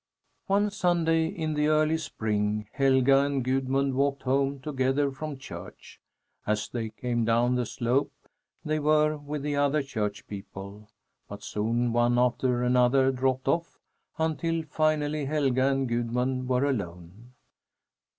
One Sunday in the early spring Helga and Gudmund walked home together from church. As they came down the slope, they were with the other church people; but soon one after another dropped off until, finally, Helga and Gudmund were alone.